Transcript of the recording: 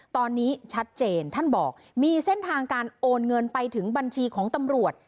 ตอนนี้ชัดเจนท่านบอกมีเส้นทางการโอนเงินไปถึงบัญชีของตำรวจ